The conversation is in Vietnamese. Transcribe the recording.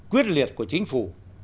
quyết liệt của chính phủ